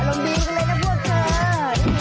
แค่นี้เลย